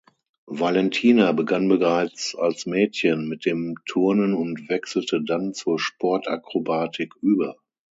Walentina begann bereits als Mädchen mit dem Turnen und wechselte dann zur Sportakrobatik über.